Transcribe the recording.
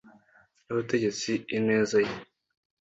n abategereza ineza ye